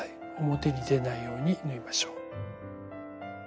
表に出ないように縫いましょう。